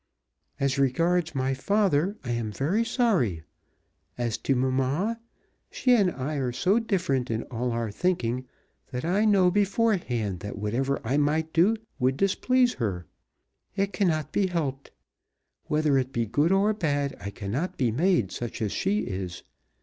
"As regards my father, I am very sorry. As to mamma, she and I are so different in all our thinking that I know beforehand that whatever I might do would displease her. It cannot be helped. Whether it be good or bad I cannot be made such as she is.